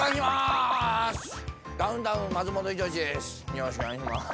よろしくお願いします。